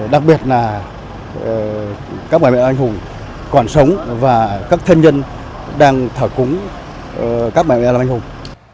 đặc biệt là các bà mẹ anh hùng còn sống và các thân nhân đang thở cúng các bà mẹ anh hùng